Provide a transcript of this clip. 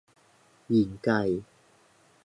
หญิงไก่